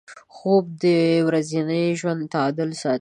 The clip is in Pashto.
خوب د ورځني ژوند تعادل ساتي